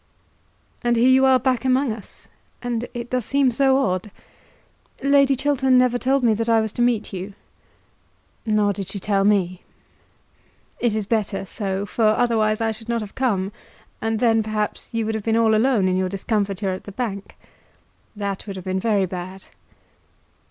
"And here you are back among us; and it does seem so odd. Lady Chiltern never told me that I was to meet you." "Nor did she tell me." "It is better so, for otherwise I should not have come, and then, perhaps, you would have been all alone in your discomfiture at the bank." "That would have been very bad."